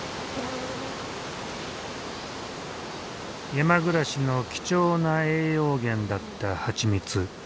山暮らしの貴重な栄養源だった蜂蜜。